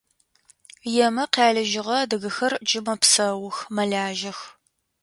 Емэ къялыжьыгъэ адыгэхэр джы мэпсэух, мэлажьэх…